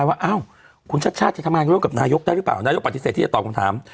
ว่าอ้าวคุณชาติชาติจะทำงานร่วมกับนายกได้หรือเปล่านายกปฏิเสธที่จะตอบคำถาม